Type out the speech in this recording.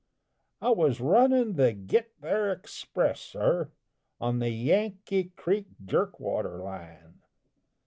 I was runnin' the Git There Express, sir, On the Yankee Creek Jerkwater line.